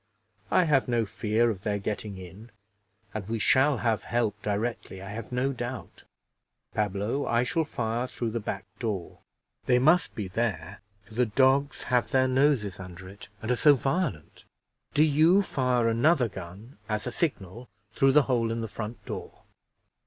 I have no fear of their getting in, and we shall have help directly, I have no doubt. Pablo, I shall fire through the back door; they must be there, for the dogs have their noses under it, and are so violent. Do you fire another gun, as a signal, through the hole in the front door."